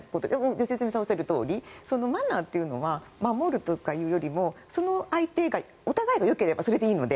良純さんがおっしゃるとおりマナーというのは守るとかいうよりも相手が、お互いがよければそれでいいので。